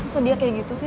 sedia kayak gitu sih